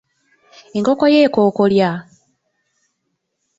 Enkoko yo ekokkolya.